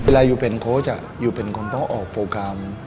ยูเป็นโค้ชยูเป็นคนต้องออกโปรแกรม